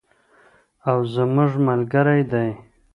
او زموږ ملګری دی.